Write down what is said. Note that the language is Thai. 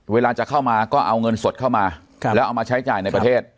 เวลาจะเข้ามาก็เอาเงินสดเข้ามาแล้วเอามาใช้จ่ายในประเทศ